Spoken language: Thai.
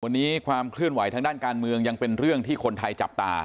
วันนี้ความเคลื่อนไหวทางด้านการเมืองยังเป็นเรื่องที่คนไทยจับตา